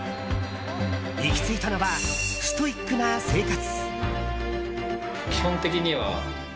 行き着いたのはストイックな生活。